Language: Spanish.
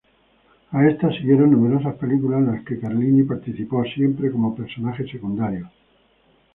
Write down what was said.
A esta siguieron numerosas películas en las que Carlini participó, siempre como personaje secundario.